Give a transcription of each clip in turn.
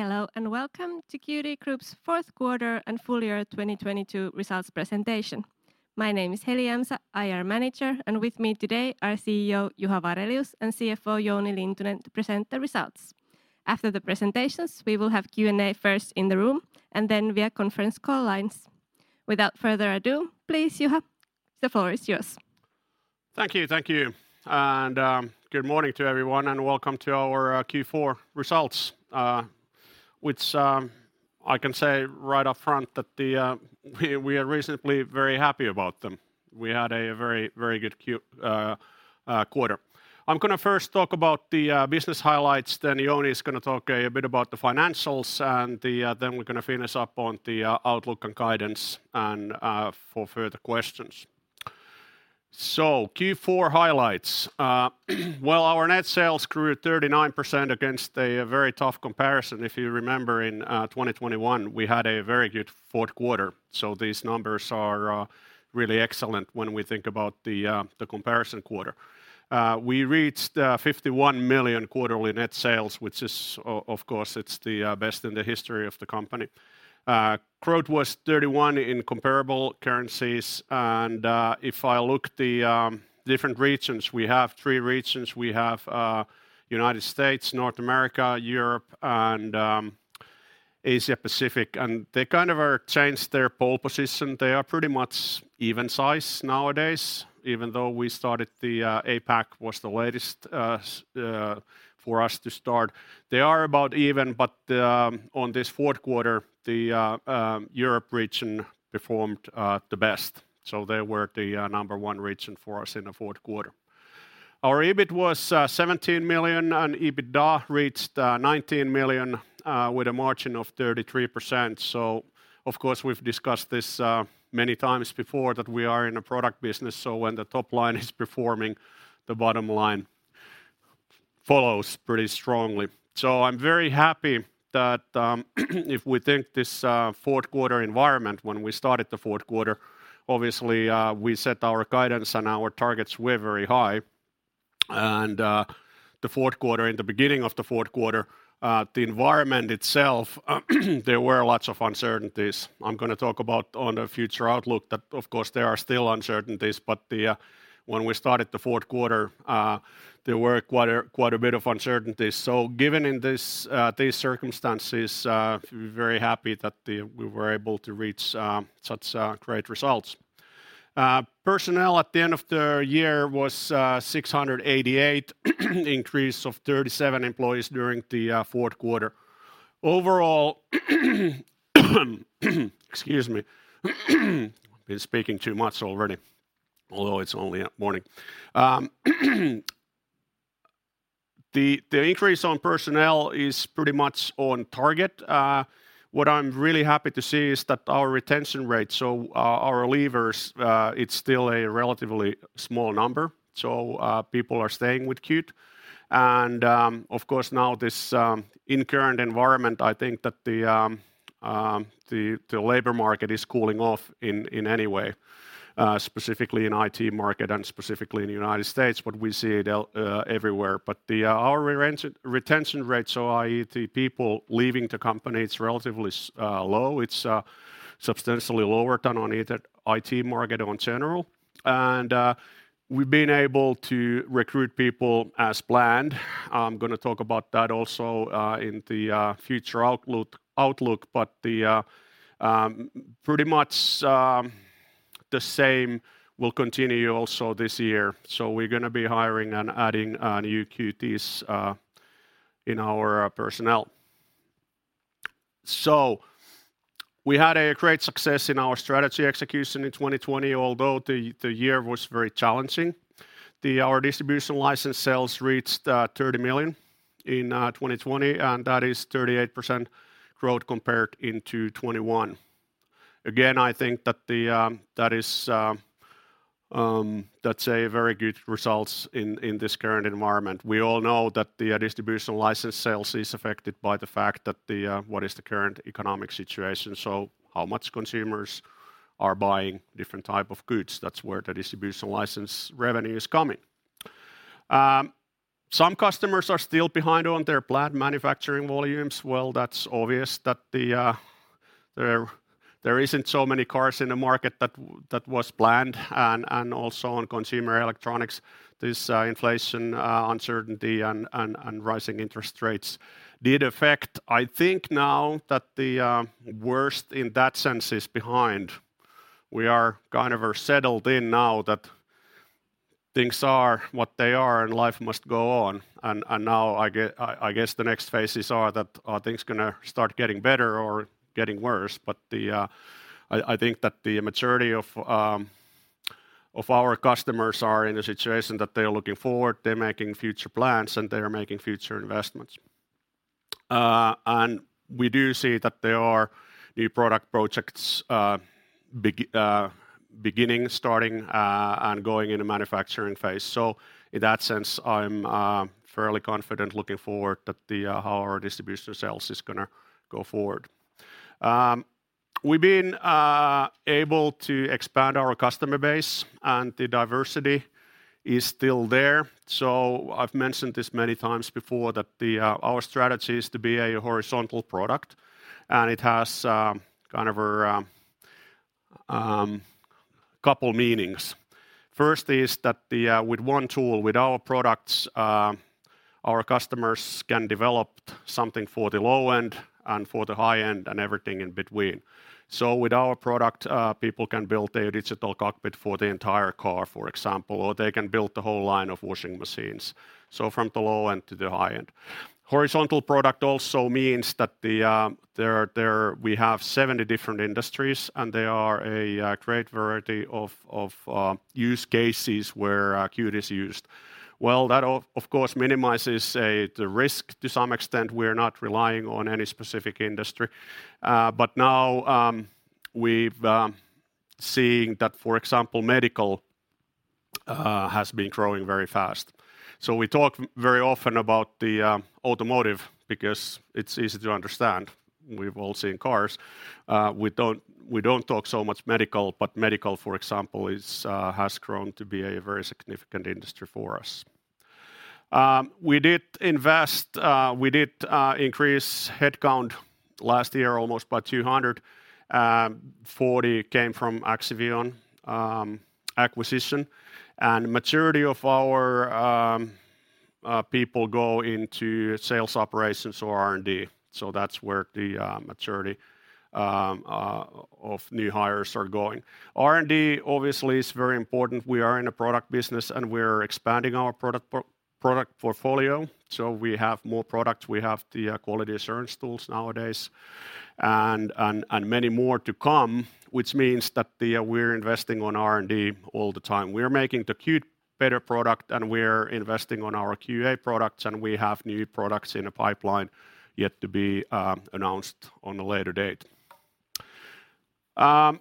Hello, and welcome to Qt Group's Q4 and full year 2022 results presentation. My name is Heli Jämsä, IR Manager, and with me today are CEO Juha Varelius and CFO Jouni Lintunen to present the results. After the presentations, we will have Q&A first in the room, and then via conference call lines. Without further ado, please, Juha, the floor is yours. Thank you, thank you. Good morning to everyone, and welcome to our Q4 results, which I can say right up front that we are reasonably very happy about them. We had a very good Q quarter. I'm gonna first talk about the business highlights, then Jouni is gonna talk a bit about the financials and then we're gonna finish up on the outlook and guidance and for further questions. Q4 highlights. Well, our net sales grew 39% against a very tough comparison. If you remember in 2021, we had a very good Q4. These numbers are really excellent when we think about the comparison quarter. We reached 51 million quarterly net sales, which is of course, it's the best in the history of the company. Growth was 31% in comparable currencies. If I look the different regions, we have three regions. We have United States, North America, Europe, and Asia-Pacific. They kind of are changed their pole position. They are pretty much even size nowadays, even though we started the APAC was the latest for us to start. They are about even, but on this Q4, the Europe region performed the best. They were the number 1 region for us in the Q4. Our EBIT was 17 million and EBITDA reached 19 million, with a margin of 33%. Of course, we've discussed this many times before that we are in a product business, so when the top line is performing, the bottom line follows pretty strongly. I'm very happy that, if we think this Q4 environment when we started the Q4, obviously, we set our guidance and our targets were very high. The Q4, in the beginning of the Q4, the environment itself, there were lots of uncertainties. I'm gonna talk about on the future outlook that, of course, there are still uncertainties. When we started the Q4, there were quite a bit of uncertainty. Given in this these circumstances, we're very happy that we were able to reach such great results. Personnel at the end of the year was 688, increase of 37 employees during the Q4. Overall, excuse me, been speaking too much already, although it's only morning. The increase on personnel is pretty much on target. What I'm really happy to see is that our retention rate, so our leavers, it's still a relatively small number, so people are staying with Qt. Of course, now this in current environment, I think that the labor market is cooling off in any way, specifically in IT market and specifically in the United States, but we see it everywhere. Our retention rates, so i.e. the people leaving the company, it's relatively low. It's substantially lower than on IT market on general. We've been able to recruit people as planned. I'm gonna talk about that also in the future outlook. The pretty much the same will continue also this year. We're gonna be hiring and adding new Qt in our personnel. We had a great success in our strategy execution in 2020, although the year was very challenging. Our distribution license sales reached 30 million in 2020, and that is 38% growth compared into 2021. Again, I think that the that is that's a very good results in this current environment. We all know that the distribution license sales is affected by the fact that the what is the current economic situation. How much consumers are buying different type of goods. That's where the distribution license revenue is coming. Some customers are still behind on their planned manufacturing volumes. Well, that's obvious that the there isn't so many cars in the market that was planned and also on consumer electronics, this inflation uncertainty and rising interest rates did affect. I think now that the worst in that sense is behind. We are kind of settled in now that things are what they are, and life must go on. Now I guess the next phases are that are things gonna start getting better or getting worse. I think that the maturity of our customers are in a situation that they're looking forward, they're making future plans, and they are making future investments. We do see that there are new product projects, beginning, starting, and going in a manufacturing phase. In that sense, I'm fairly confident looking forward that the how our distribution sales is gonna go forward. We've been able to expand our customer base and the diversity is still there. I've mentioned this many times before that the our strategy is to be a horizontal product, and it has kind of a couple meanings. First is that the with one tool, with our products, our customers can develop something for the low end and for the high end, and everything in between. With our product, people can build a digital cockpit for the entire car, for example, or they can build the whole line of washing machines. From the low end to the high end. Horizontal product also means that there we have 70 different industries and there are a great variety of use cases where Qt is used. Well, that of course minimizes the risk to some extent. We're not relying on any specific industry. Now, we've seeing that, for example, medical has been growing very fast. We talk very often about the automotive because it's easy to understand. We've all seen cars. We don't talk so much medical, but medical, for example, has grown to be a very significant industry for us. We did invest, increase headcount last year almost by 200. 40 came from Axivion acquisition, and majority of our people go into sales operations or R&D. That's where the majority of new hires are going. R&D obviously is very important. We are in a product business, and we're expanding our product portfolio, so we have more products. We have the quality assurance tools nowadays and many more to come, which means that we're investing on R&D all the time. We're making the Qt better product, and we're investing on our QA products, and we have new products in the pipeline yet to be announced on a later date. Some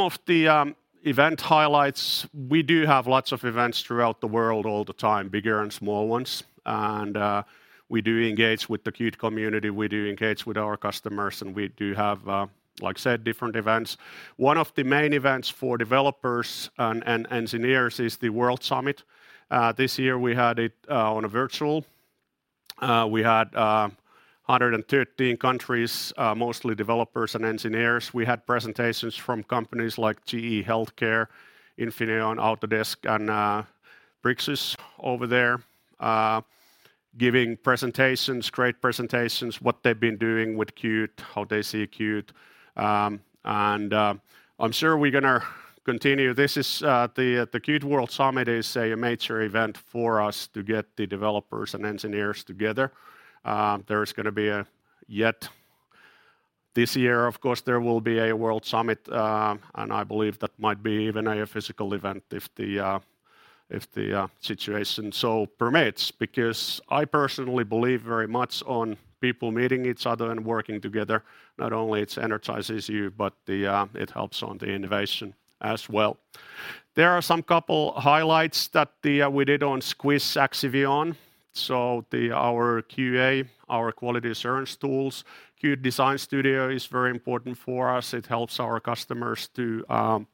of the event highlights, we do have lots of events throughout the world all the time, bigger and small ones, we do engage with the Qt community, we do engage with our customers, and we do have, like I said, different events. One of the main events for developers and engineers is the World Summit. This year we had it on a virtual. We had 113 countries, mostly developers and engineers. We had presentations from companies like GE HealthCare, Infineon, Autodesk, and Bricsys over there, giving presentations, great presentations, what they've been doing with Qt, how they see Qt. I'm sure we're gonna continue. This is the Qt World Summit is a major event for us to get the developers and engineers together. There is gonna be a, yet this year of course, there will be a World Summit, and I believe that might be even a physical event if the, if the, situation so permits. Because I personally believe very much on people meeting each other and working together. Not only it energizes you, but the, it helps on the innovation as well. There are some couple highlights that the, we did on SQI's Axivion, so the, our QA, our quality assurance tools. Qt Design Studio is very important for us. It helps our customers to,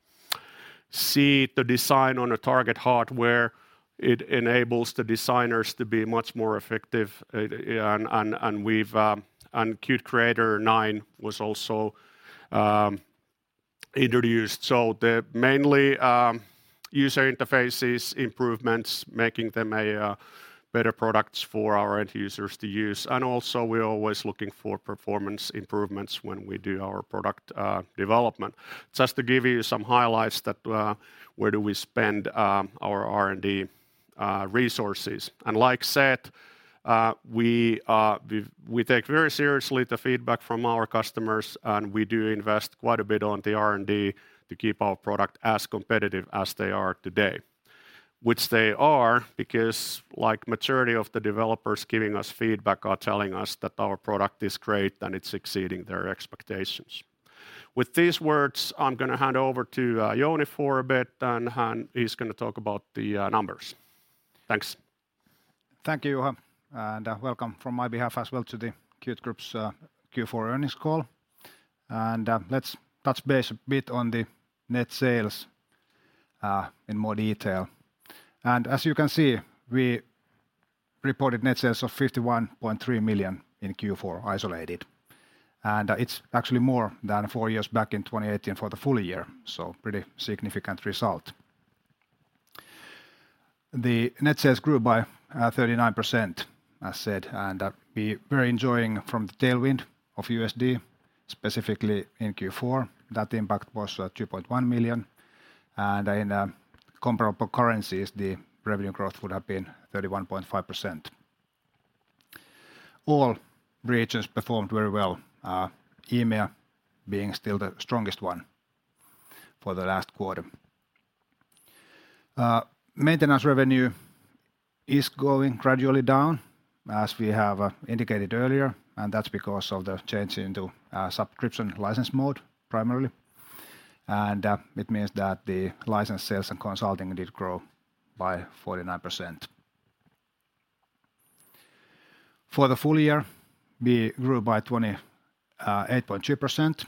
see the design on a target hardware. It enables the designers to be much more effective. We've, and Qt Creator 9 was also, introduced. The mainly user interfaces improvements, making them a better products for our end users to use. Also we're always looking for performance improvements when we do our product development. Just to give you some highlights that where do we spend our R&D resources. Like said, we take very seriously the feedback from our customers, and we do invest quite a bit on the R&D to keep our product as competitive as they are today. Which they are because, like majority of the developers giving us feedback are telling us that our product is great and it's exceeding their expectations. With these words, I'm gonna hand over to Jouni for a bit, and he's gonna talk about the numbers. Thanks. Thank you, Juha, and welcome from my behalf as well to Qt Group's Q4 earnings call. Let's touch base a bit on the net sales in more detail. As you can see, we reported net sales of 51.3 million in Q4 isolated, and it's actually more than four years back in 2018 for the full year, pretty significant result. The net sales grew by 39%, I said, we're enjoying from the tailwind of USD, specifically in Q4. That impact was 2.1 million, in comparable currencies, the revenue growth would have been 31.5%. All regions performed very well, EMEA being still the strongest one for the last quarter. Maintenance revenue is going gradually down as we have indicated earlier, that's because of the change into subscription license mode primarily. It means that the license sales and consulting did grow by 49%. For the full year, we grew by 28.2%.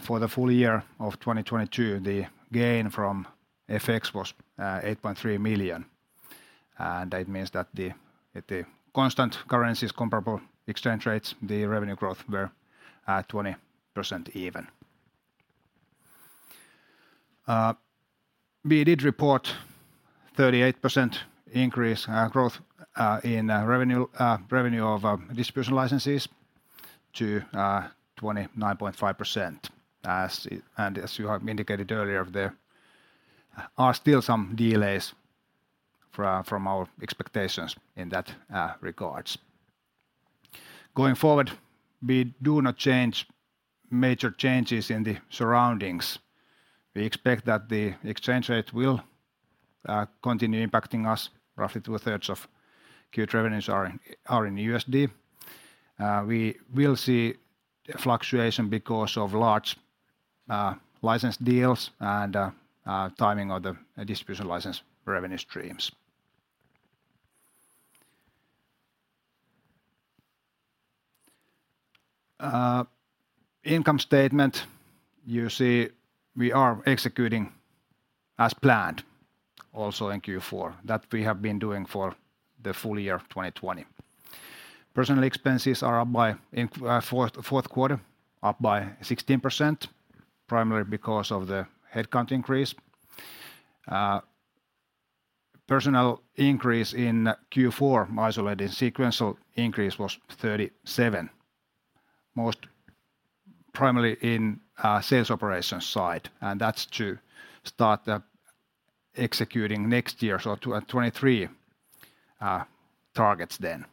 For the full year of 2022, the gain from FX was 8.3 million. That means that the, at the constant currencies comparable exchange rates, the revenue growth were at 20% even. We did report 38% increase growth in revenue of distribution licenses to 29.5% as you have indicated earlier, there are still some delays from our expectations in that regards. Going forward, we do not change major changes in the surroundings. We expect that the exchange rate will continue impacting us. Roughly two-thirds of Q revenues are in USD. We will see fluctuation because of large license deals and timing of the distribution license revenue streams. Income statement, you see we are executing as planned also in Q4. That we have been doing for the full year of 2020. Personnel expenses are up by Q4, up by 16% primarily because of the headcount increase. Personnel increase in Q4 isolated sequential increase was 37. Most primarily in sales operations side, and that's to start the executing next year, so 2023 targets then.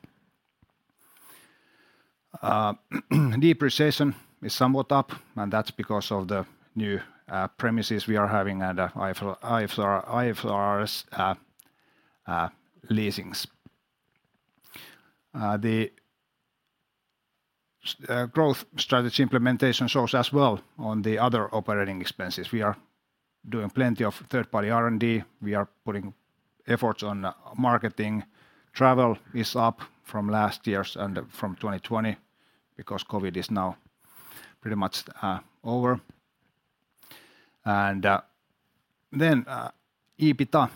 Depreciation is somewhat up, and that's because of the new premises we are having at IFRS leasings. The growth strategy implementation shows as well on the other operating expenses. We are doing plenty of third-party R&D. We are putting efforts on marketing. Travel is up from last year's and from 2020 because COVID is now pretty much over. EBITDA,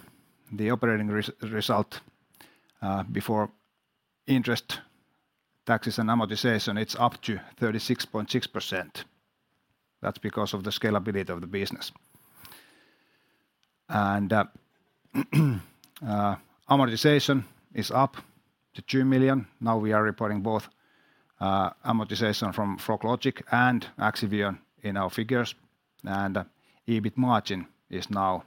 the operating result, before interest, taxes, and amortization, it's up to 36.6%. That's because of the scalability of the business. Amortization is up to 2 million. Now we are reporting both amortization from Froglogic and Axivion in our figures. EBITDA margin is now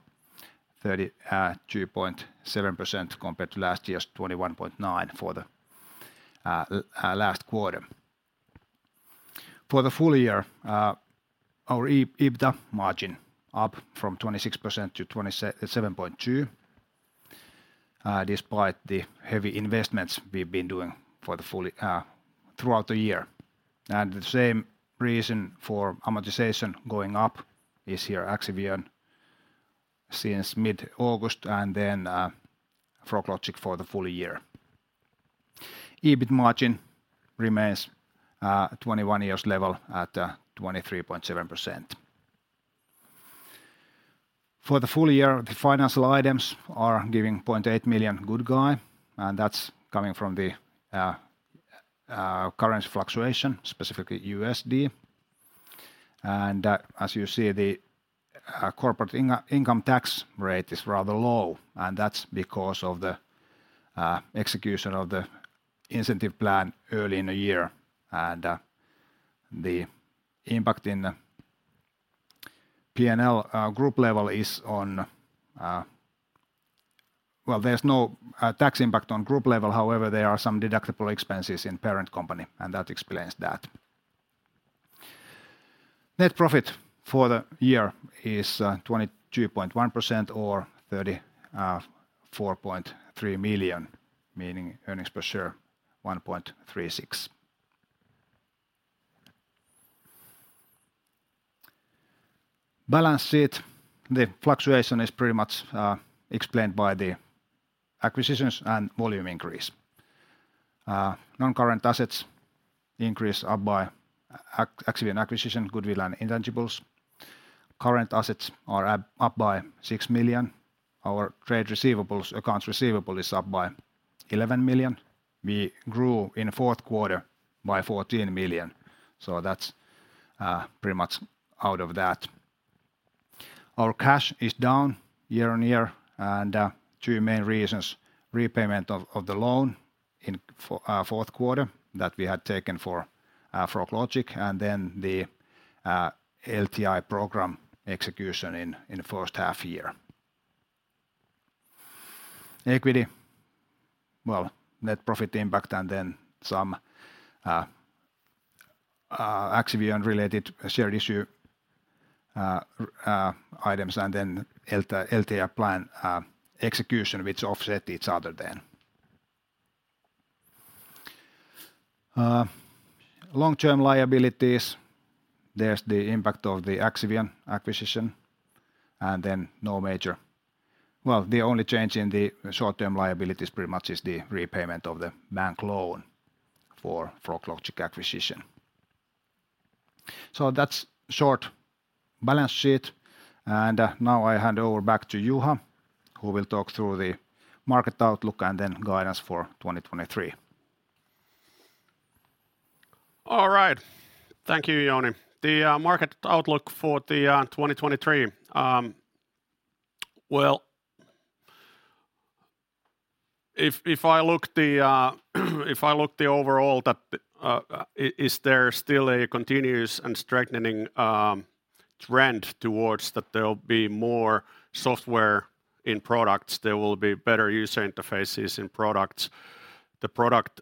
32.7% compared to last year's 21.9% for the last quarter. For the full year, our EBITDA margin up from 26% to 27.2%, despite the heavy investments we've been doing for the full throughout the year. The same reason for amortization going up is here Axivion since mid-August and then Froglogic for the full year. EBIT margin remains 21 years level at 23.7%. For the full year, the financial items are giving 0.8 million good guy, and that's coming from the current fluctuation, specifically USD. As you see the corporate income tax rate is rather low, and that's because of the execution of the incentive plan early in the year. The impact in the P&L group level is on, well, there's no tax impact on group level. There are some deductible expenses in parent company, and that explains that. Net profit for the year is 22.1% or 34.3 million, meaning earnings per share 1.36. Balance sheet, the fluctuation is pretty much explained by the acquisitions and volume increase. Non-current assets increase up by Axivion acquisition, goodwill and intangibles. Current assets are up by 6 million. Our trade receivables, accounts receivable is up by 11 million. We grew in the Q4 by 14 million, that's pretty much out of that. Our cash is down year on year. Two main reasons, repayment of the loan in Q4 that we had taken for Froglogic, the LTI program execution in the first half year. Equity, well, net profit impact and then some, Axivion-related share issue items and then LTI plan execution which offset each other then. Long-term liabilities, there's the impact of the Axivion acquisition, and then Well, the only change in the short-term liabilities pretty much is the repayment of the bank loan for Froglogic acquisition. That's short balance sheet. Now I hand over back to Juha, who will talk through the market outlook and then guidance for 2023. All right. Thank you, Jouni. The market outlook for the 2023, well if I look the, if I look the overall that, is there still a continuous and strengthening trend towards that there'll be more software in products, there will be better user interfaces in products. The product,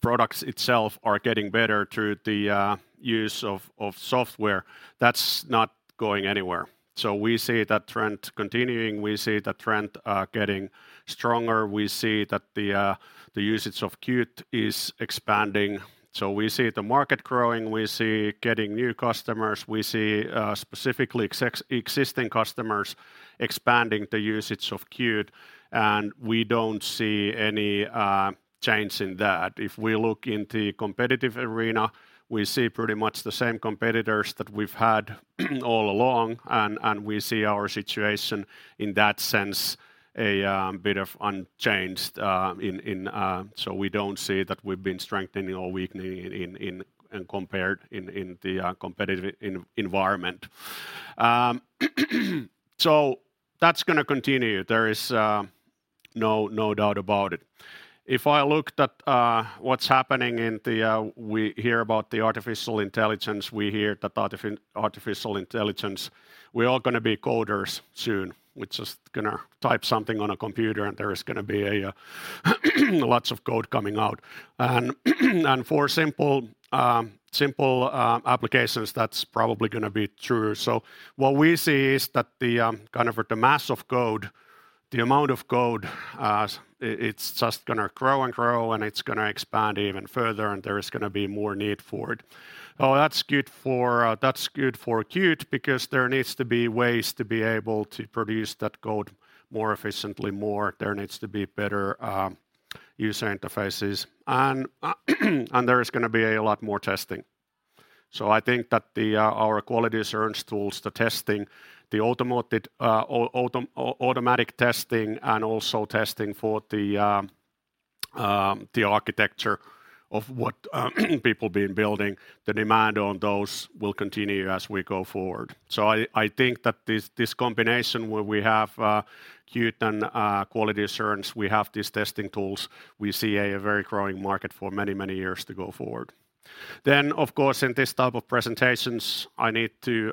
products itself are getting better through the use of software. That's not going anywhere. We see that trend continuing. We see the trend getting stronger. We see that the usage of Qt is expanding. We see the market growing, we see getting new customers, we see, specifically existing customers expanding the usage of Qt, and we don't see any change in that. If we look in the competitive arena, we see pretty much the same competitors that we've had all along and we see our situation in that sense a bit of unchanged in. We don't see that we've been strengthening or weakening in compared in the competitive environment. That's gonna continue. There is no doubt about it. If I looked at what's happening in. We hear about the artificial intelligence, we hear that artificial intelligence, we're all gonna be coders soon. We're just gonna type something on a computer, and there is gonna be a lots of code coming out. For simple applications, that's probably gonna be true. What we see is that the kind of the mass of code, the amount of code, it's just gonna grow and grow, and it's gonna expand even further, and there is gonna be more need for it. That's good for that's good for Qt because there needs to be ways to be able to produce that code more efficiently, more there needs to be better user interfaces. There is gonna be a lot more testing. I think that the our quality assurance tools, the testing, the automotive, automatic testing and also testing for the the architecture of what people been building, the demand on those will continue as we go forward. I think that this combination where we have Qt and quality assurance, we have these testing tools, we see a very growing market for many years to go forward. Of course, in this type of presentations, I need to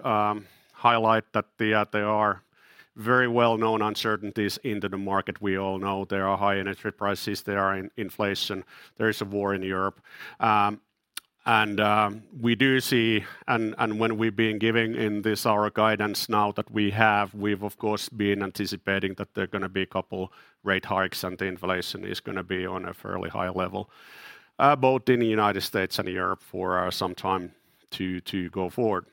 highlight that there are very well-known uncertainties in the market. We all know there are high energy prices, there is inflation, there is a war in Europe. We do see and when we've been giving in this, our guidance now that we have, we've of course been anticipating that there are gonna be a couple rate hikes and the inflation is gonna be on a fairly high level both in the United States and Europe for some time to go forward.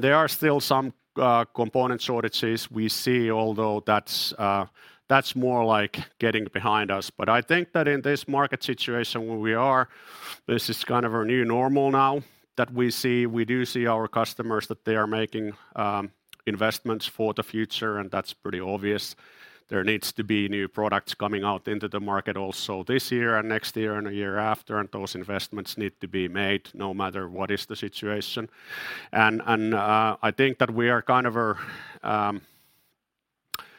There are still some component shortages we see, although that's that's more like getting behind us. I think that in this market situation where we are, this is kind of our new normal now that we see. We do see our customers that they are making investments for the future, and that's pretty obvious. There needs to be new products coming out into the market also this year and next year and the year after, and those investments need to be made no matter what is the situation. I think that we are kind of a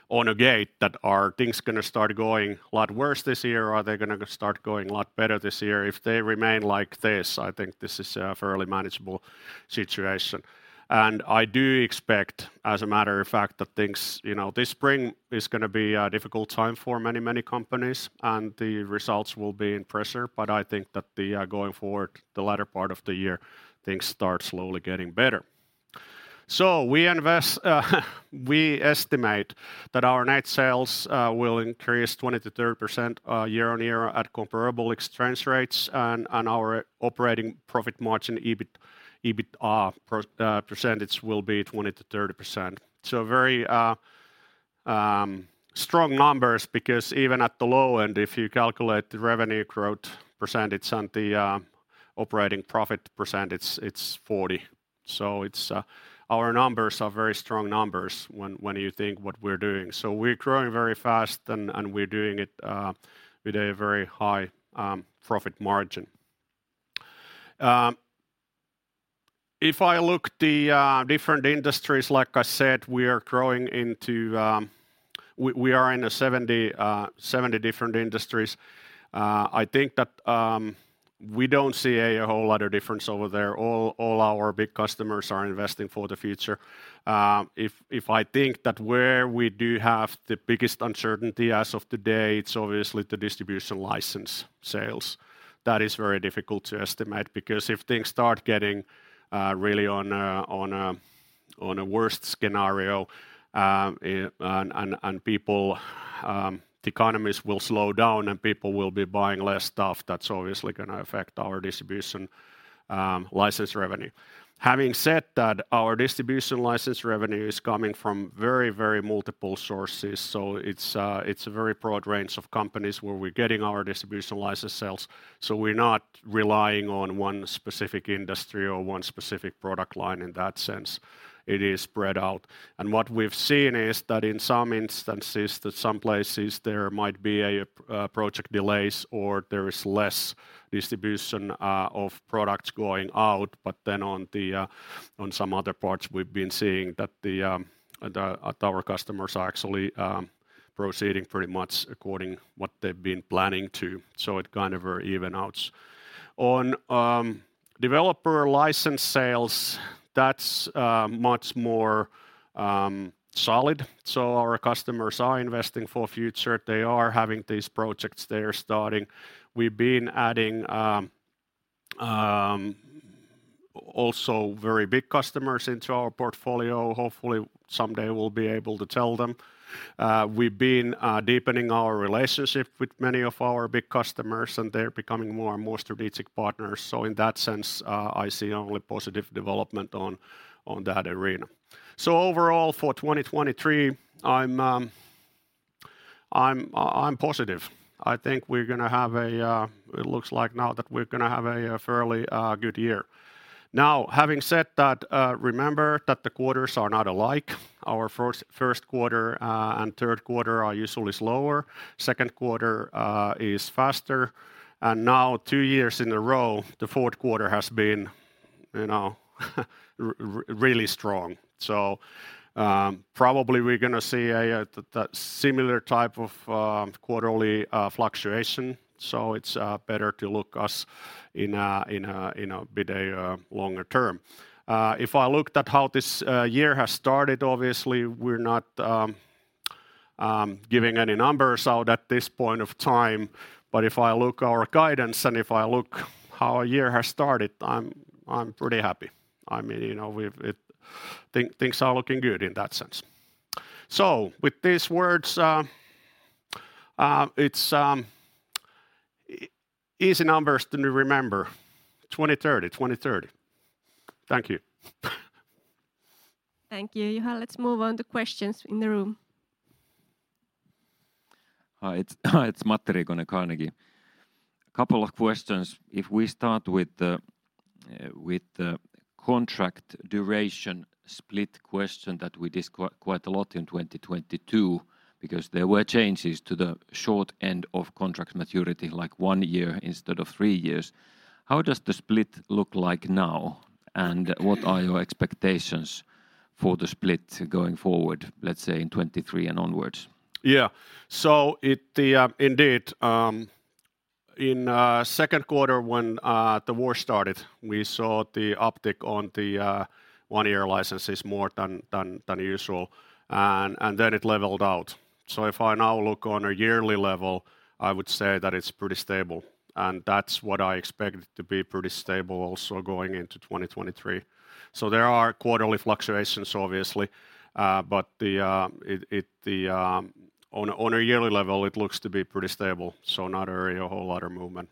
on a gate that are things gonna start going a lot worse this year, or are they gonna start going a lot better this year? If they remain like this, I think this is a fairly manageable situation. I do expect, as a matter of fact, that things, you know, this spring is gonna be a difficult time for many, many companies, and the results will be in pressure. I think that the going forward, the latter part of the year, things start slowly getting better. We invest, we estimate that our net sales will increase 20%-30% year-on-year at comparable exchange rates and our operating profit margin EBIT percentage will be 20%-30%. Very strong numbers because even at the low end, if you calculate the revenue growth percentage and the operating profit percentage, it's 40. It's our numbers are very strong numbers when you think what we're doing. We're growing very fast, and we're doing it with a very high profit margin. If I look the different industries, like I said, we are growing into, we are in a 70 different industries. I think that we don't see a whole lot of difference over there. All our big customers are investing for the future. If I think that where we do have the biggest uncertainty as of today, it's obviously the distribution license sales. That is very difficult to estimate because if things start getting really on a worst scenario, and people, the economies will slow down, and people will be buying less stuff. That's obviously gonna affect our distribution license revenue. Having said that, our distribution license revenue is coming from very multiple sources, it's a very broad range of companies where we're getting our distribution license sales. We're not relying on one specific industry or one specific product line in that sense. It is spread out. What we've seen is that in some instances, that some places there might be a project delays or there is less distribution of products going out, on some other parts we've been seeing that the our customers are actually proceeding pretty much according what they've been planning to. It kind of even outs. On developer license sales, that's much more solid. Our customers are investing for future. They are having these projects they are starting. We've been adding also very big customers into our portfolio. Hopefully someday we'll be able to tell them. We've been deepening our relationship with many of our big customers, and they're becoming more and more strategic partners. In that sense, I see only positive development on that arena. Overall for 2023, I'm positive. It looks like now that we're gonna have a fairly good year. Having said that, remember that the quarters are not alike. Our Q1 and Q3 are usually slower. Q2 is faster, and now two years in a row, the Q4 has been, you know, really strong. Probably we're gonna see a similar type of quarterly fluctuation, so it's better to look us in a bit longer term. If I looked at how this year has started, obviously we're not giving any numbers out at this point of time, but if I look our guidance and if I look how our year has started, I'm pretty happy. I mean, you know, we've, things are looking good in that sense. With these words, it's easy numbers to remember. 2030. Thank you. Thank you, Juha. Let's move on to questions in the room. Hi, it's Matti Räsänen, Carnegie. A couple of questions. If we start with the contract duration split question that we quite a lot in 2022 because there were changes to the short end of contract maturity, like one year instead of three years. How does the split look like now, what are your expectations for the split going forward, let's say in 2023 and onwards? Yeah. It, the, indeed, in Q2 when the war started, we saw the uptick on the one-year licenses more than usual. Then it leveled out. If I now look on a yearly level, I would say that it's pretty stable, and that's what I expect it to be pretty stable also going into 2023. There are quarterly fluctuations obviously, but the, it, the, on a yearly level it looks to be pretty stable, so not really a whole lot of movement.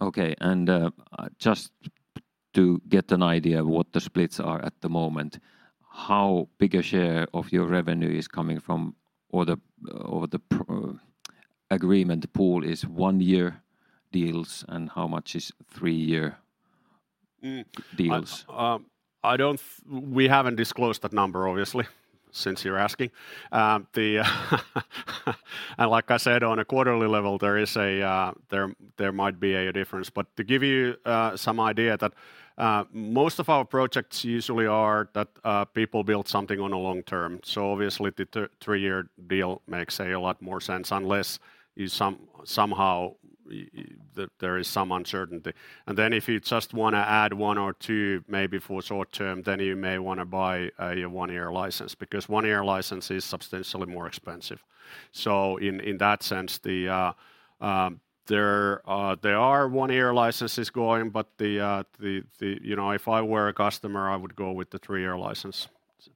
Okay. Just to get an idea of what the splits are at the moment, how big a share of your revenue is coming from, or the agreement pool is one-year deals, and how much is three-year deals? I don't We haven't disclosed that number obviously, since you're asking. The Like I said, on a quarterly level there is a, there might be a difference. To give you some idea that most of our projects usually are that people build something on a long term, so obviously the three-year deal makes a lot more sense unless you somehow that there is some uncertainty. If you just wanna add one or two maybe for short term, then you may wanna buy a one-year license because one-year license is substantially more expensive. In, in that sense, the there are one-year licenses going, but the You know, if I were a customer, I would go with the three-year license.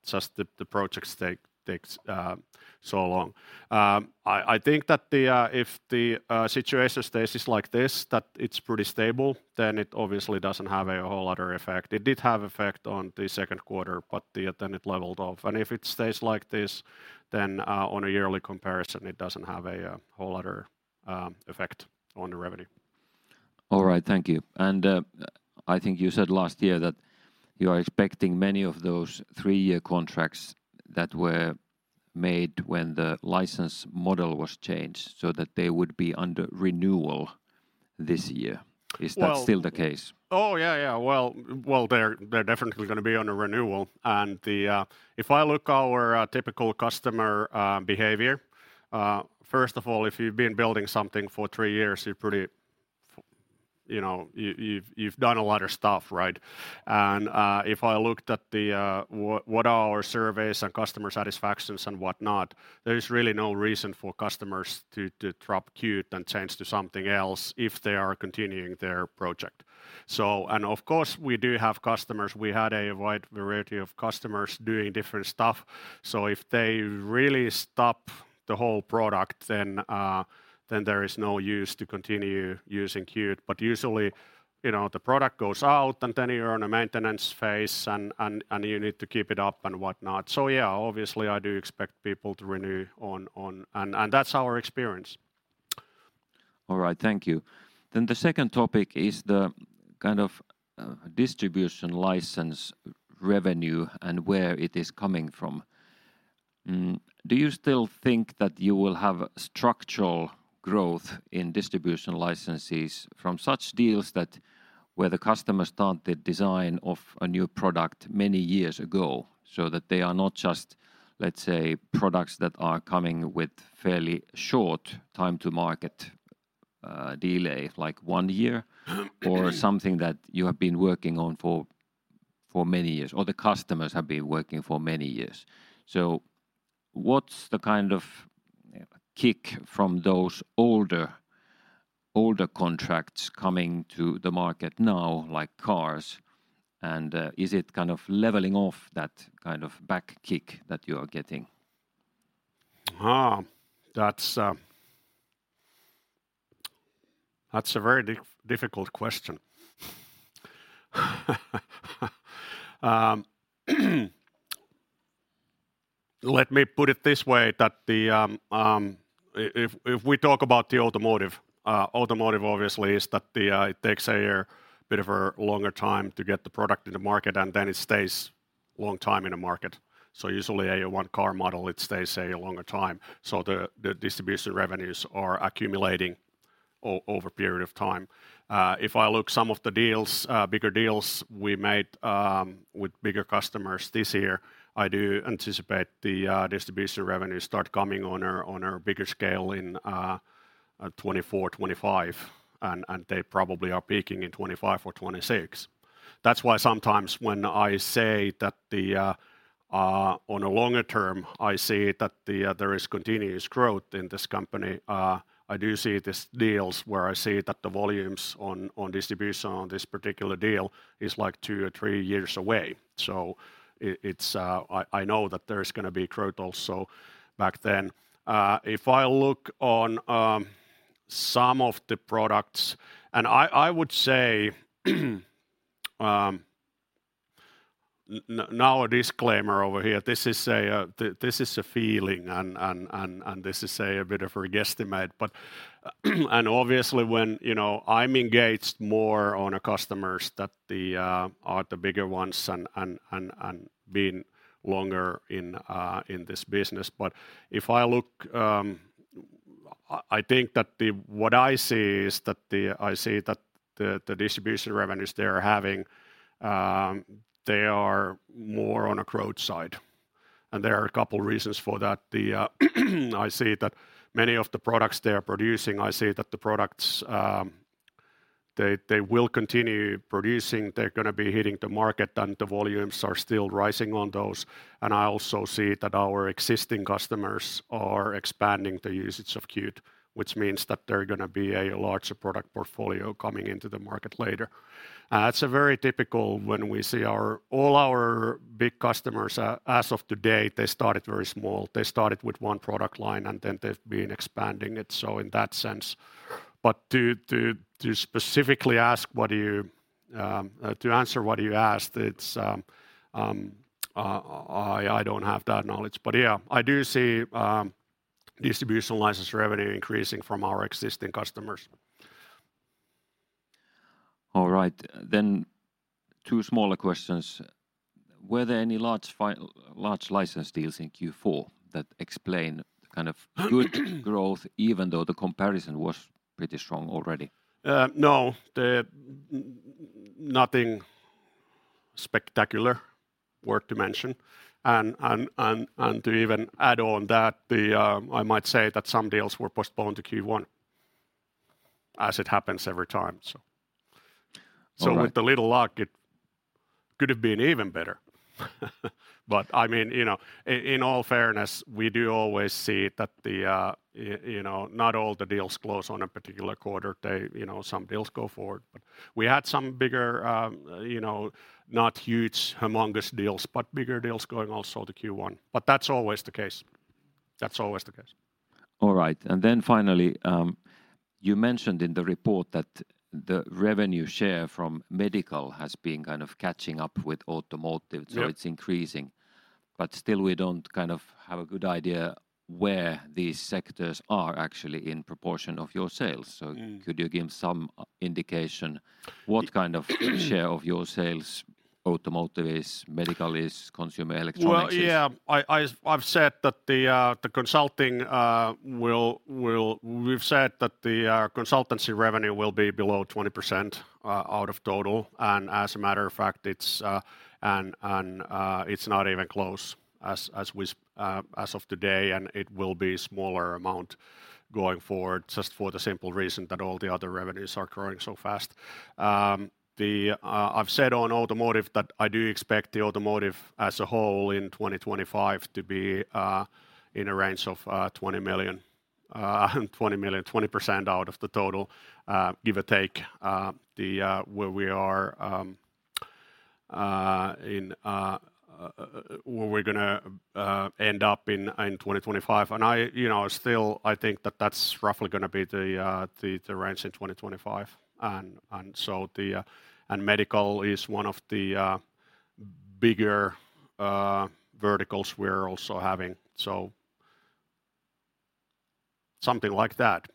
It's just the projects take so long. I think that the, if the situation stays just like this, that it's pretty stable, then it obviously doesn't have a whole lot of effect. It did have effect on the Q2, but the then it leveled off. If it stays like this, then on a yearly comparison it doesn't have a whole lot of effect on the revenue. All right. Thank you. I think you said last year that you are expecting many of those three-year contracts that were made when the license model was changed so that they would be under renewal this year. Well- Is that still the case? Oh, yeah. Well, they're definitely gonna be on a renewal. If I look our typical customer behavior, first of all, if you've been building something for three years, you're pretty. You know, you've done a lot of stuff, right? If I looked at what are our surveys and customer satisfactions and whatnot, there is really no reason for customers to drop Qt and change to something else if they are continuing their project. Of course we do have customers, we had a wide variety of customers doing different stuff, so if they really stop the whole product, then there is no use to continue using Qt. Usually, you know, the product goes out, and then you're on a maintenance phase and you need to keep it up and whatnot. Yeah, obviously I do expect people to renew on... That's our experience. All right. Thank you. The second topic is the kind of distribution license revenue and where it is coming from. Do you still think that you will have structural growth in distribution licenses from such deals that where the customer start the design of a new product many years ago so that they are not just, let's say, products that are coming with fairly short time to market delay, like one year- or something that you have been working on for many years, or the customers have been working for many years? What's the kind of kick from those older contracts coming to the market now, like cars, and is it kind of leveling off that kind of back kick that you are getting? That's a very difficult question. Let me put it this way, that if we talk about the automotive obviously is that it takes a bit of a longer time to get the product in the market, and then it stays long time in the market. Usually a one car model, it stays a longer time. The distribution revenues are accumulating over a period of time. If I look some of the deals, bigger deals we made with bigger customers this year, I do anticipate the distribution revenues start coming on a bigger scale in 2024, 2025, and they probably are peaking in 2025 or 2026. That's why sometimes when I say that the on a longer term, I see that the there is continuous growth in this company, I do see these deals where I see that the volumes on distribution on this particular deal is like 2 or 3 years away. It's, I know that there's gonna be growth also back then. If I look on some of the products, and I would say, now a disclaimer over here, this is a feeling and this is a bit of a guesstimate. And obviously when, you know, I'm engaged more on a customers that the are the bigger ones and been longer in this business. If I look, I think that the. What I see is that the distribution revenues they are having, they are more on a growth side. There are a couple reasons for that. I see that many of the products they are producing, I see that the products they will continue producing. They're gonna be hitting the market. The volumes are still rising on those. I also see that our existing customers are expanding the usage of Qt, which means that there are gonna be a larger product portfolio coming into the market later. It's a very typical when we see all our big customers, as of today, they started very small. They started with one product line. Then they've been expanding it, in that sense. To specifically ask what you to answer what you asked, it's I don't have that knowledge. Yeah, I do see distribution license revenue increasing from our existing customers. All right. Two smaller questions. Were there any large license deals in Q4 that explain the good growth even though the comparison was pretty strong already? No. Nothing spectacular worth to mention. To even add on that, I might say that some deals were postponed to Q1, as it happens every time, so. All right. With a little luck it could have been even better. I mean, you know, in all fairness, we do always see that the, you know, not all the deals close on a particular quarter. They, you know, some deals go forward. We had some bigger, you know, not huge, humongous deals, but bigger deals going also to Q1. That's always the case. That's always the case. All right. Finally, you mentioned in the report that the revenue share from medical has been kind of catching up with automotive. Yeah It's increasing. Still we don't kind of have a good idea where these sectors are actually in proportion of your sales could you give some indication share of your sales automotive is, medical is, consumer electronics is? Well, yeah. We've said that the consultancy revenue will be below 20% out of total. As a matter of fact, it's, and, it's not even close as of today, and it will be smaller amount going forward just for the simple reason that all the other revenues are growing so fast. The, I've said on automotive that I do expect the automotive as a whole in 2025 to be in a range of 20 million. 20 million, 20% out of the total, give or take, the where we are, in where we're gonna end up in 2025. I, you know, still I think that that's roughly gonna be the range in 2025. Medical is one of the bigger verticals we're also having. Something like that.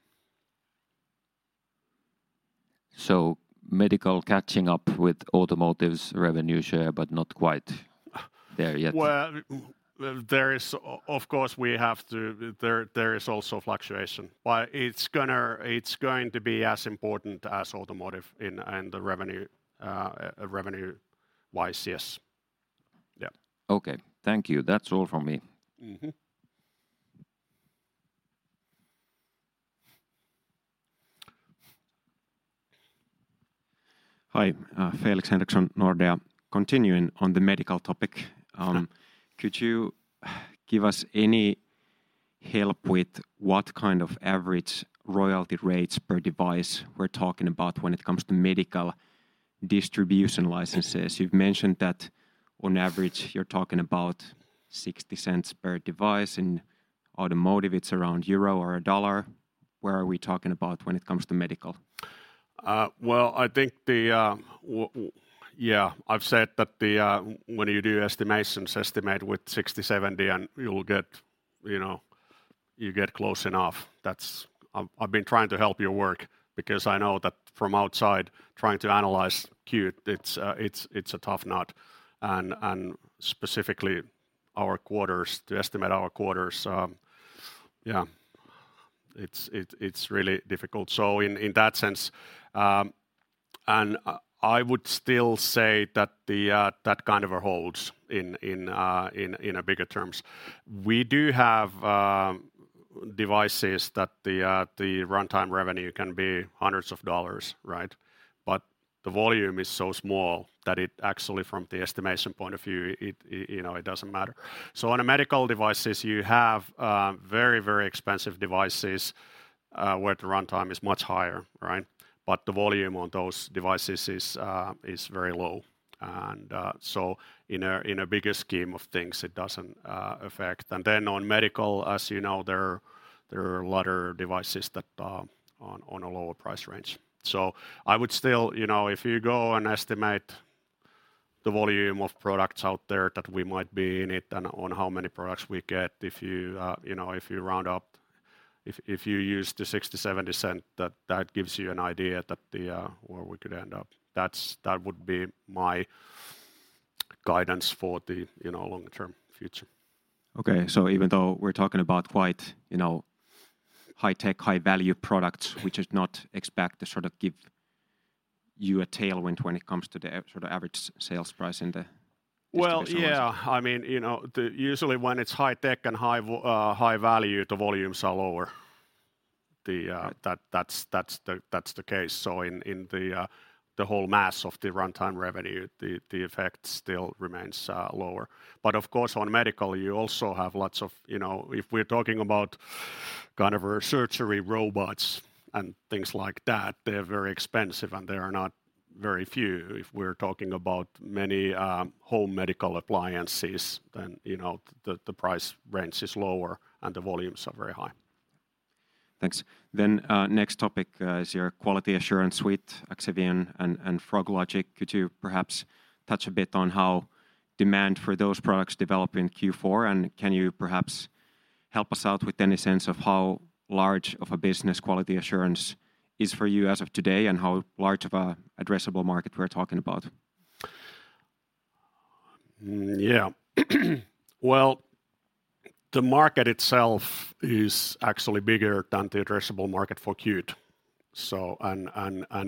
Medical catching up with automotive's revenue share, but not quite there yet. There is also fluctuation. It's going to be as important as automotive in the revenue-wise, yes. Yeah. Okay. Thank you. That's all from me. Hi. Felix Henriksson, Nordea. Continuing on the medical topic, could you give us any help with what kind of average royalty rates per device we're talking about when it comes to medical distribution licenses? You've mentioned that on average you're talking about 0.60 per device. In automotive, it's around EUR 1 or $1. Where are we talking about when it comes to medical? Well, I think, Yeah, I've said that when you do estimations, estimate with 60, 70, and you'll get, you know, you get close enough. That's. I've been trying to help your work because I know that from outside trying to analyze Qt, it's a tough nut, and specifically our quarters, to estimate our quarters. Yeah, it's really difficult. In that sense, and I would still say that kind of holds in bigger terms. We do have devices that the runtime revenue can be hundreds of dollars, right? The volume is so small that it actually from the estimation point of view, you know, it doesn't matter. On a medical devices, you have very, very expensive devices where the runtime is much higher, right? The volume on those devices is very low. In a bigger scheme of things, it doesn't affect. On medical, as you know, there are a lot of devices that are on a lower price range. I would still, you know, if you go and estimate the volume of products out there that we might be in it and on how many products we get, if you know, if you round up, if you use the 60, 70 cent, that gives you an idea that where we could end up. That would be my guidance for the, you know, longer-term future. Even though we're talking about quite, you know, high tech, high value products, we should not expect to sort of give you a tailwind when it comes to the sort of average sales price in the distribution license. Well, yeah. I mean, you know, usually when it's high tech and high value, the volumes are lower. Right That's, that's the, that's the case. In, in the whole mass of the runtime revenue, the effect still remains lower. Of course, on medical, you also have lots of, you know, if we're talking about kind of surgery robots and things like that, they're very expensive, and there are not very few. If we're talking about many home medical appliances, then, you know, the price range is lower and the volumes are very high. Thanks. Next topic, is your quality assurance suite, Axivion and Froglogic. Could you perhaps touch a bit on how demand for those products develop in Q4? Can you perhaps help us out with any sense of how large of a business quality assurance is for you as of today and how large of a addressable market we're talking about? Yeah. Well, the market itself is actually bigger than the addressable market for Qt.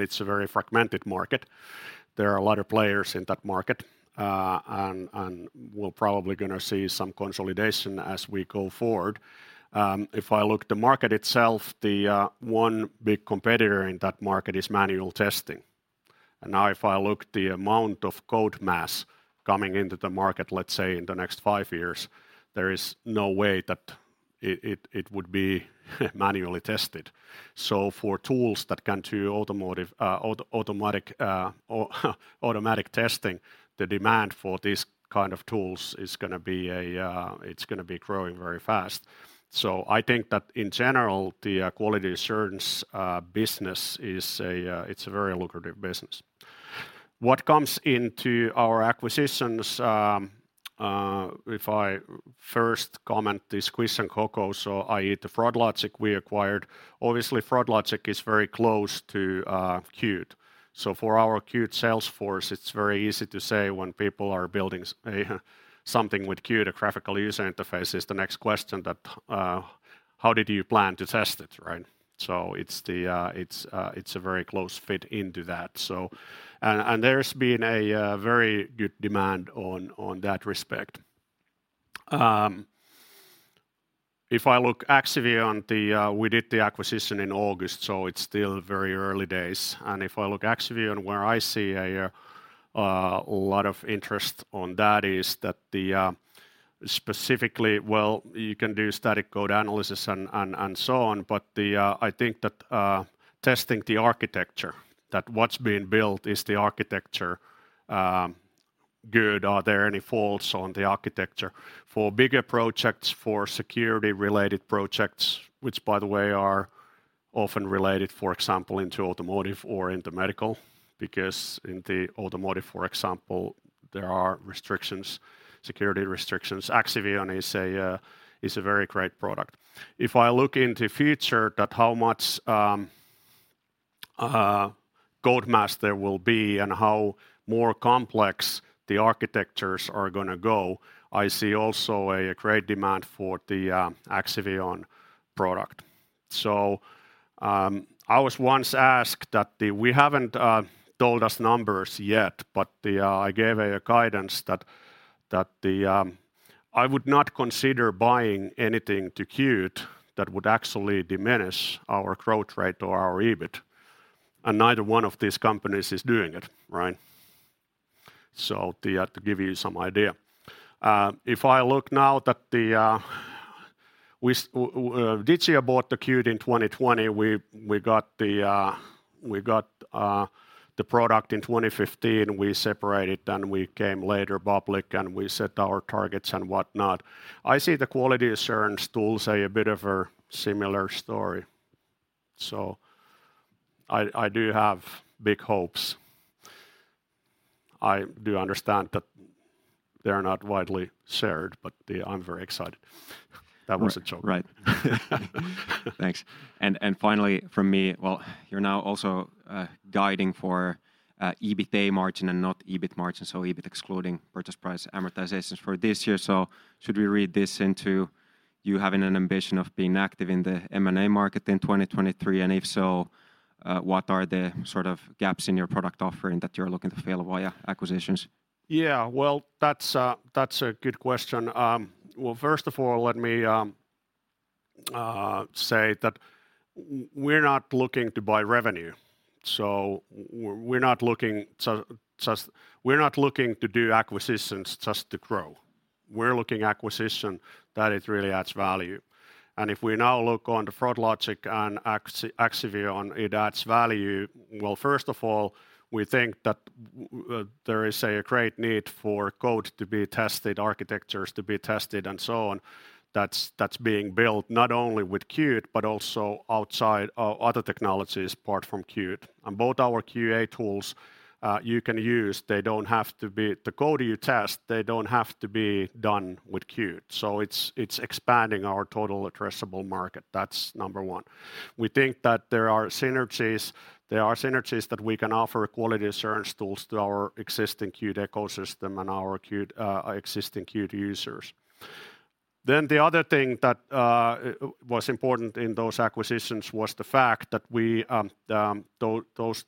It's a very fragmented market. There are a lot of players in that market. We'll probably gonna see some consolidation as we go forward. If I look the market itself, the one big competitor in that market is manual testing. If I look the amount of code mass coming into the market, let's say in the next five years, there is no way that it would be manually tested. For tools that can do automotive, automatic testing, the demand for these kind of tools is gonna be growing very fast. I think that in general, the quality assurance business is a very lucrative business. What comes into our acquisitions, if I first comment is Quiescent Coco, so i.e. the Froglogic we acquired. Obviously, Froglogic is very close to Qt. For our Qt sales force, it's very easy to say when people are building something with Qt, a graphical user interface, is the next question that, how did you plan to test it, right? It's a very close fit into that. There's been a very good demand on that respect. If I look Axivion, we did the acquisition in August, it's still very early days. If I look Axivion, where I see a lot of interest on that is that specifically, well, you can do static code analysis and, and so on, but I think that testing the architecture, that what's being built, is the architecture good? Are there any faults on the architecture? For bigger projects, for security-related projects, which by the way are often related, for example, into automotive or into medical because in the automotive, for example, there are restrictions, security restrictions. Axivion is a very great product. If I look into future that how much code mass there will be and how more complex the architectures are gonna go, I see also a great demand for the Axivion product. I was once asked that the... We haven't told us numbers yet, but I gave a guidance that I would not consider buying anything to Qt that would actually diminish our growth rate or our EBIT, and neither one of these companies is doing it, right? To give you some idea. If I look now that Digia bought the Qt in 2020. We got the product in 2015. We separated, and we came later public, and we set our targets and whatnot. I see the quality assurance tools, say, a bit of a similar story, so I do have big hopes. I do understand that they are not widely shared, but I'm very excited. That was a joke. Right. Thanks. Finally from me, well, you're now also guiding for EBITDA margin and not EBIT margin, so EBIT excluding purchase price amortizations for this year. Should we read this into you having an ambition of being active in the M&A market in 2023? If so, what are the sort of gaps in your product offering that you're looking to fill via acquisitions? Well, that's a, that's a good question. Well, first of all, let me say that we're not looking to buy revenue. We're not looking to do acquisitions just to grow. We're looking acquisition that it really adds value. If we now look on the Froglogic and Axivion, it adds value. Well, first of all, we think that there is a great need for code to be tested, architectures to be tested and so on. That's being built not only with Qt, but also outside other technologies apart from Qt. Both our QA tools you can use. The code you test, they don't have to be done with Qt. It's expanding our total addressable market. That's number one. We think that there are synergies that we can offer quality assurance tools to our existing Qt ecosystem and our existing Qt users. The other thing that was important in those acquisitions was the fact that we,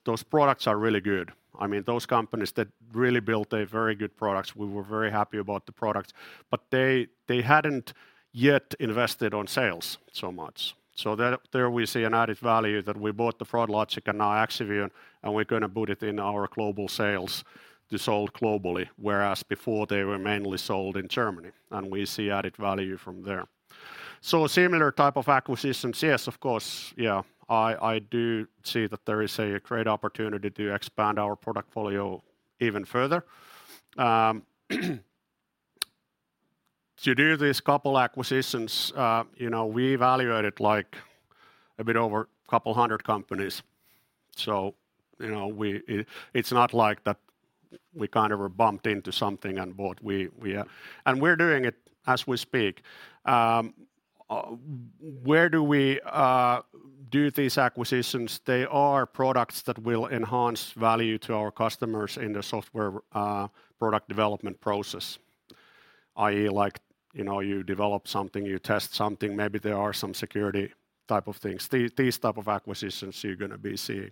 those products are really good. I mean, those companies that really built a very good products. We were very happy about the products. They hadn't yet invested on sales so much. There we see an added value that we bought Froglogic and now Axivion, and we're gonna put it in our global sales to sold globally, whereas before they were mainly sold in Germany, and we see added value from there. Similar type of acquisitions, yes, of course. Yeah, I do see that there is a great opportunity to expand our product portfolio even further. To do these 2 acquisitions, you know, we evaluated like a bit over 200 companies. You know, we, it's not like that we kind of were bumped into something and bought. We're doing it as we speak. Where do we do these acquisitions? They are products that will enhance value to our customers in the software product development process, i.e. like, you know, you develop something, you test something, maybe there are some security type of things. These type of acquisitions you're gonna be seeing.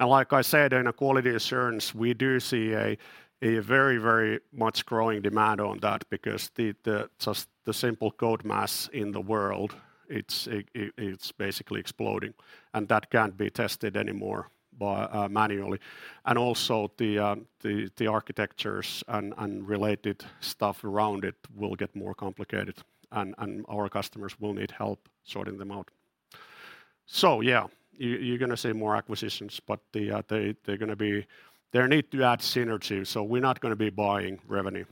Like I said, in a quality assurance, we do see a very, very much growing demand on that because the simple code mass in the world, it's basically exploding, and that can't be tested anymore by manually. Also the architectures and related stuff around it will get more complicated, and our customers will need help sorting them out. Yeah, you're gonna see more acquisitions, but they need to add synergy, so we're not gonna be buying revenue.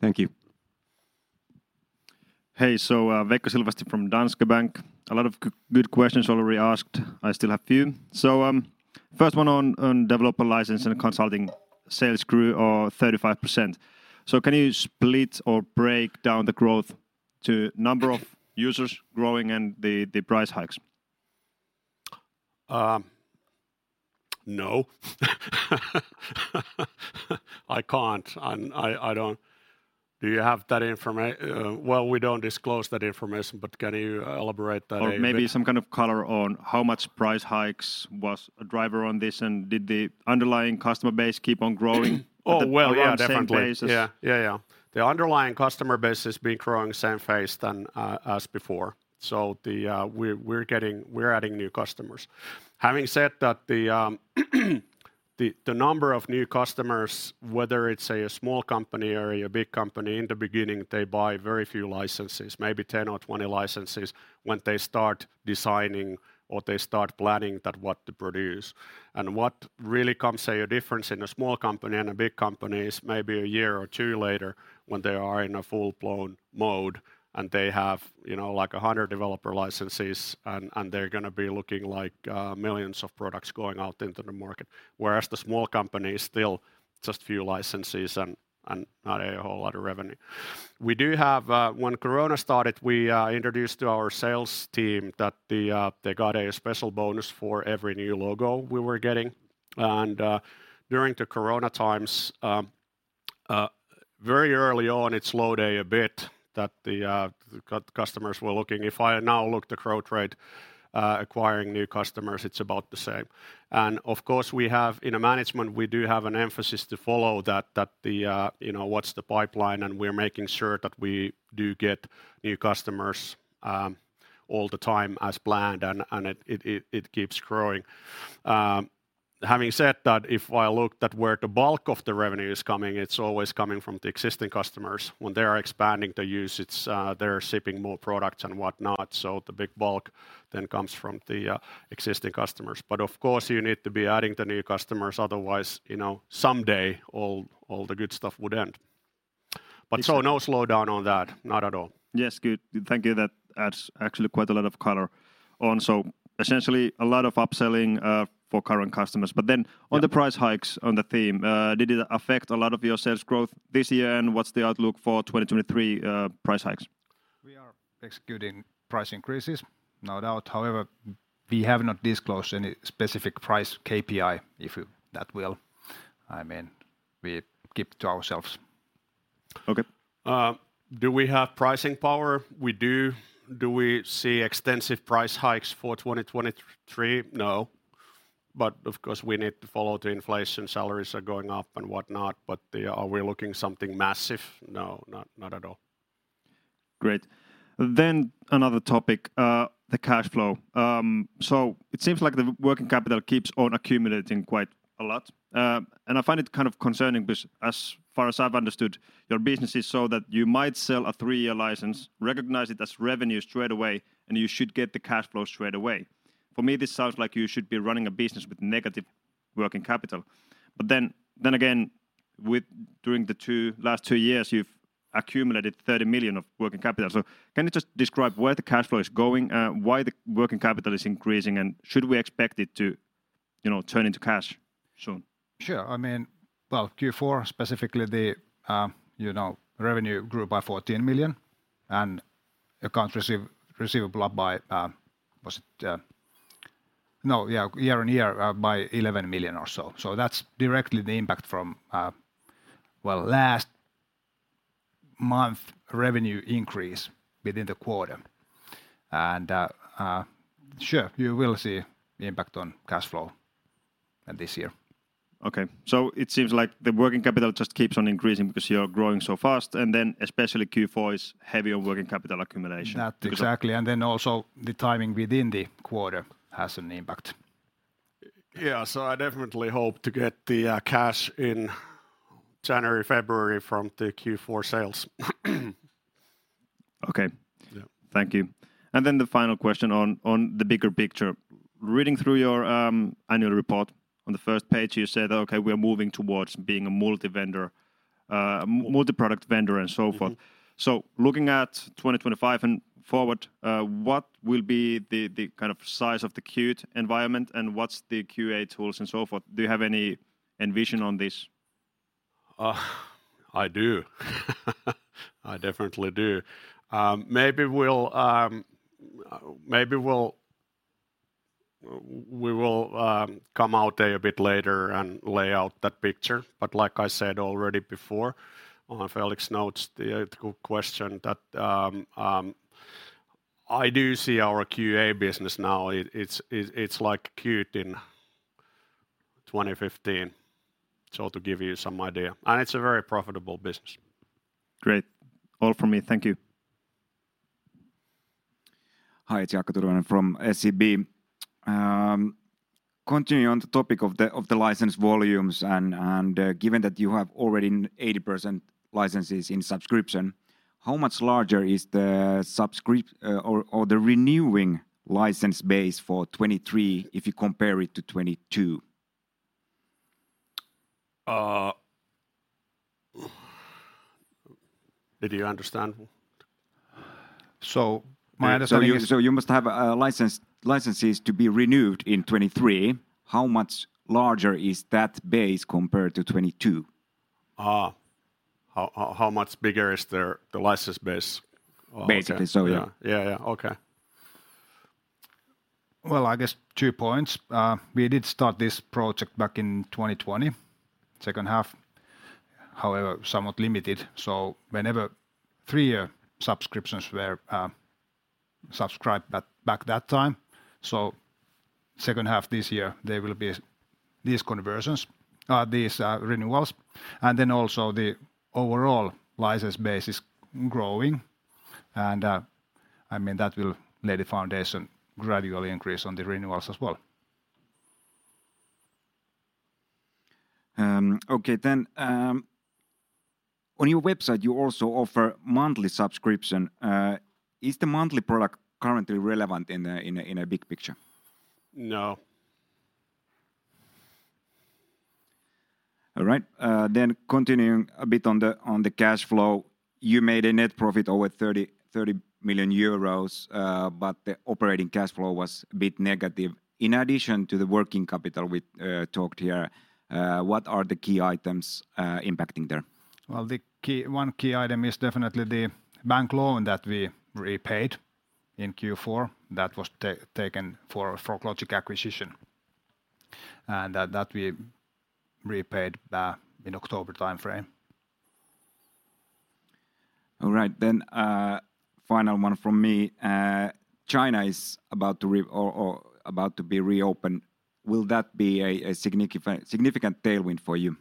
Thank you. Hey. Waltteri Rossi from Danske Bank. A lot of good questions already asked. I still have few. First one on developer license and consulting sales grew 35%. Can you split or break down the growth to number of users growing and the price hikes? No. I can't. I don't. Do you have that? Well, we don't disclose that information. Can you elaborate that a bit? Maybe some kind of color on how much price hikes was a driver on this, and did the underlying customer base keep on growing? Oh, well, yeah, definitely. At the same pace. Yeah. Yeah, yeah. The underlying customer base has been growing same pace than as before. We're getting, we're adding new customers. Having said that, the number of new customers, whether it's a small company or a big company, in the beginning, they buy very few licenses, maybe 10 or 20 licenses when they start designing or they start planning that what to produce. What really comes, say, a difference in a small company and a big company is maybe a year or two later when they are in a full-blown mode and they have, you know, like 100 developer licenses and they're gonna be looking, like millions of products going out into the market. Whereas the small company is still just few licenses and not a whole lot of revenue. We do have... When Corona started, we introduced to our sales team that they got a special bonus for every new logo we were getting. During the Corona times, very early on, it slowed a bit that customers were looking. If I now look the growth rate, acquiring new customers, it's about the same. Of course we have, in the management, we do have an emphasis to follow that, you know, what's the pipeline, and we're making sure that we do get new customers, all the time as planned. It keeps growing. Having said that, if I look at where the bulk of the revenue is coming, it's always coming from the existing customers. When they are expanding the usage, they are shipping more products and whatnot, so the big bulk then comes from the existing customers. Of course you need to be adding the new customers otherwise, you know, someday all the good stuff would end. No slowdown on that, not at all. Yes. Good. Thank you. That adds actually quite a lot of color on. Essentially a lot of upselling for current customers. Yeah On the price hikes on the theme, did it affect a lot of your sales growth this year, and what's the outlook for 2023, price hikes? We are executing price increases, no doubt. However, we have not disclosed any specific price KPI, if that will. I mean, we keep to ourselves. Okay. Do we have pricing power? We do. Do we see extensive price hikes for 2023? No. Of course we need to follow the inflation, salaries are going up and whatnot. Are we looking something massive? No, not at all. Great. Another topic, the cash flow. It seems like the working capital keeps on accumulating quite a lot. I find it kind of concerning because as far as I've understood, your business is so that you might sell a 3-year license, recognize it as revenue straight away, and you should get the cash flow straight away. For me, this sounds like you should be running a business with negative working capital. Then again, During the last 2 years, you've accumulated 30 million of working capital. Can you just describe where the cash flow is going, why the working capital is increasing, and should we expect it to, you know, turn into cash soon? Sure. I mean, well, Q4 specifically, the, you know, revenue grew by 14 million and accounts receivable by, was it, No, yeah, year-over-year by 11 million or so. That's directly the impact from, well, last month revenue increase within the quarter. Sure, you will see impact on cash flow this year. Okay. It seems like the working capital just keeps on increasing because you're growing so fast, and then especially Q4 is heavier working capital accumulation. That, exactly. Then also the timing within the quarter has an impact. Yeah. I definitely hope to get the cash in January, February from the Q4 sales. Okay. Yeah. Thank you. The final question on the bigger picture. Reading through your annual report, on the first page, you said, okay, we're moving towards being a multi-vendor, multi-product vendor and so forth. Looking at 2025 and forward, what will be the kind of size of the Qt environment and what's the QA tools and so forth? Do you have any envision on this? I do. I definitely do. Maybe we'll we will come out a bit later and lay out that picture. Like I said already before, on Felix' notes, the ethical question that I do see our QA business now. It's like Qt in 2015, so to give you some idea, and it's a very profitable business. Great. All from me. Thank you. Hi, it's Jaakko Tyrväinen from SEB. Continuing on the topic of the license volumes and given that you have already 80% licenses in subscription, how much larger is or the renewing license base for 2023 if you compare it to 2022? Did you understand? My understanding. You must have licenses to be renewed in 2023. How much larger is that base compared to 2022? How much bigger is the license base? Basically. Yeah. Yeah, yeah. Okay. Well, I guess 2 points. We did start this project back in 2020, second half, however, somewhat limited. Whenever 3-year subscriptions were subscribed back that time. Second half this year, there will be these conversions, these renewals. Also the overall license base is growing- I mean, that will lay the foundation gradually increase on the renewals as well. Okay. On your website, you also offer monthly subscription. Is the monthly product currently relevant in a big picture? No. All right. Continuing a bit on the, on the cash flow, you made a net profit over 30 million euros, but the operating cash flow was a bit negative. In addition to the working capital we talked here, what are the key items impacting there? One key item is definitely the bank loan that we repaid in Q4 that was taken for Froglogic acquisition, and that we repaid in October timeframe. All right. final one from me. China is about to be reopened. Will that be a significant tailwind for you?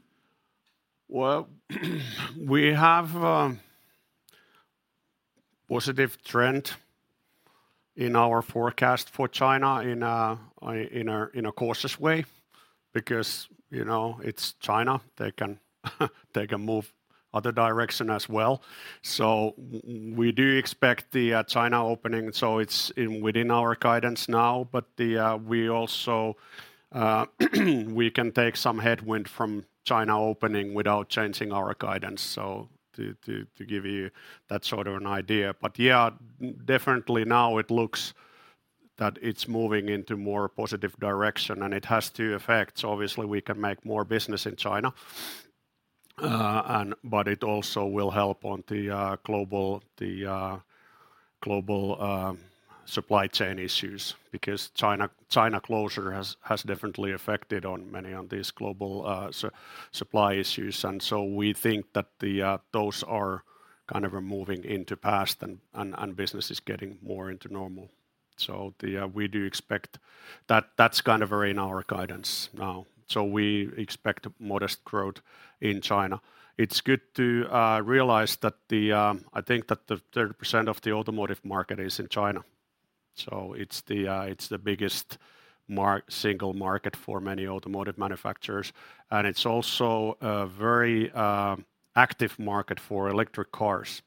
We have positive trend in our forecast for China in a cautious way because, you know, it's China. They can move other direction as well. We do expect the China opening, so it's in within our guidance now. We also we can take some headwind from China opening without changing our guidance, so to give you that sort of an idea. Yeah, definitely now it looks that it's moving into more positive direction, and it has two effects. Obviously, we can make more business in China, and but it also will help on the global, the global supply chain issues because China closure has definitely affected on many on these global supply issues. We think that the those are kind of moving into past and business is getting more into normal. The we do expect that that's kind of in our guidance now. We expect modest growth in China. It's good to realize that the I think that the 30% of the automotive market is in China, so it's the biggest single market for many automotive manufacturers, and it's also a very active market for electric cars.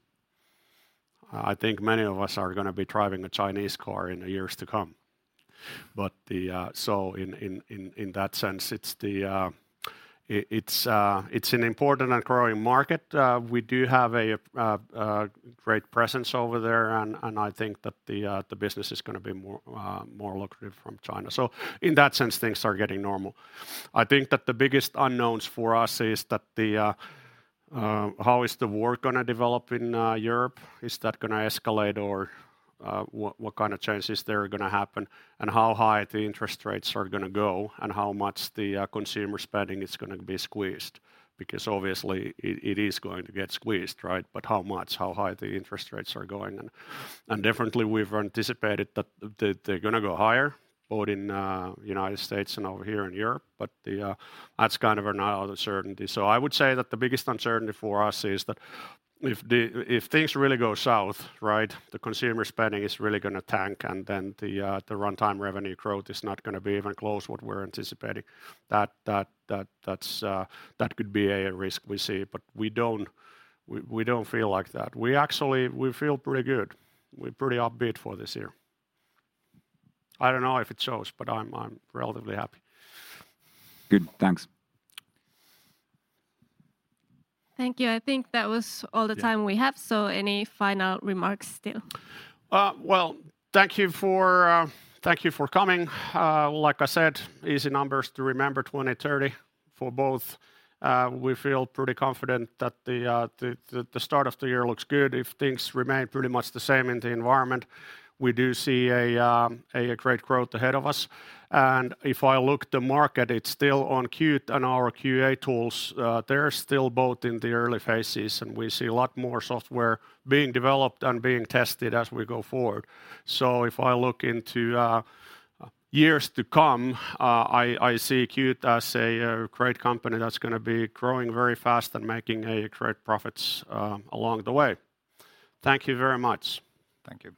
I think many of us are gonna be driving a Chinese car in the years to come. In that sense, it's an important and growing market. We do have a great presence over there and I think that the business is gonna be more lucrative from China. In that sense, things are getting normal. I think that the biggest unknowns for us is that how is the war gonna develop in Europe? Is that gonna escalate or what kind of changes there are gonna happen? How high the interest rates are gonna go, and how much the consumer spending is gonna be squeezed because obviously it is going to get squeezed, right? How much? How high the interest rates are going and definitely we've anticipated that they're gonna go higher both in United States and over here in Europe. That's kind of now the uncertainty. I would say that the biggest uncertainty for us is that if the, if things really go south, right, the consumer spending is really gonna tank, and then the runtime revenue growth is not gonna be even close what we're anticipating. That could be a risk we see, but we don't feel like that. We actually, we feel pretty good. We're pretty upbeat for this year. I don't know if it shows, but I'm relatively happy. Good. Thanks. Thank you. I think that was all the time we have. Yeah Any final remarks still? Well, thank you for, thank you for coming. Like I said, easy numbers to remember, 2030 for both. We feel pretty confident that the start of the year looks good. If things remain pretty much the same in the environment, we do see a great growth ahead of us. If I look the market, it's still on Qt and our QA tools, they're still both in the early phases, and we see a lot more software being developed and being tested as we go forward. If I look into years to come, I see Qt as a great company that's gonna be growing very fast and making great profits along the way. Thank you very much. Thank you.